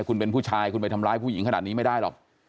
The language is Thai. คุณเป็นผู้ชายคุณไปทำร้ายผู้หญิงขนาดนี้ไม่ได้หรอก